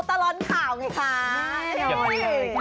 ดูตลอดข่าวค่ะ